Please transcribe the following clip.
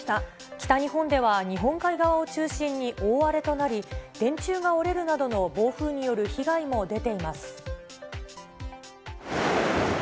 北日本では、日本海側を中心に大荒れとなり、電柱が折れるなどの暴風による被害も出ています。